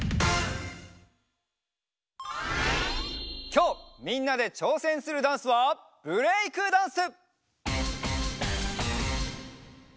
きょうみんなでちょうせんするダンスはブレイクダンス！